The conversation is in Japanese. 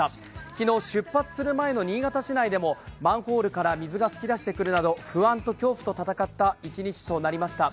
昨日、出発する前の新潟市内でもマンホールから水が噴き出してくるなど不安と恐怖と闘った一日となりました。